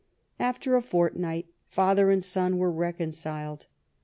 After a fortnight father and son were reconciled.